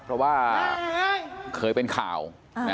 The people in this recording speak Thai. เพราะว่าเคยเป็นข่าว